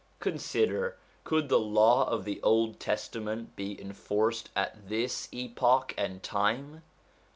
Consider, could the Law of the Old Testament be enforced at this epoch and time